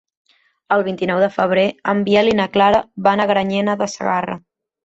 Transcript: El vint-i-nou de febrer en Biel i na Clara van a Granyena de Segarra.